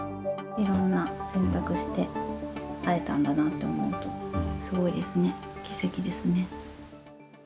いろんな選択をして、会えたんだなと思うと、すごいですね、奇跡ですね。